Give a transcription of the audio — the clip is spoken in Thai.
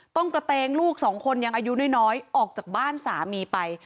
กระเตงลูกสองคนยังอายุน้อยออกจากบ้านสามีไป